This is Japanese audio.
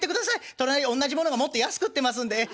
隣おんなじものがもっと安く売ってますんでええ。